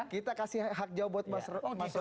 kita kasih hak jawab buat mas roy